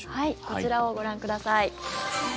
こちらをご覧ください。